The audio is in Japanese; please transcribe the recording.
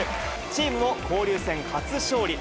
チームも交流戦初勝利。